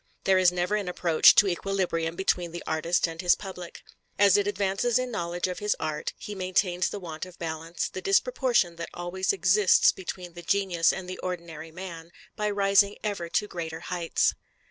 There is never an approach to equilibrium between the artist and his public. As it advances in knowledge of his art, he maintains the want of balance, the disproportion that always exists between the genius and the ordinary man, by rising ever to greater heights.